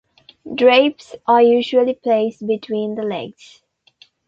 Drapes are usually placed between the legs.